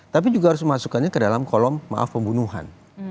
tapi juga harus memasukkannya ke dalam kolom maaf pembunuhan